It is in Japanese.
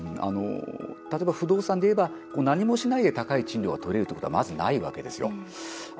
例えば、不動産でいえば何もしないで高い賃料が取れるということはまず、ないわけですよ。